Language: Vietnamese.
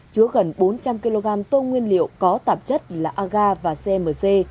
chứa gần bốn trăm linh kg tô nguyên liệu có tạp chất là agar và cmc